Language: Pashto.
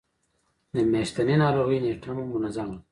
د میاشتنۍ ناروغۍ نیټه مو منظمه ده؟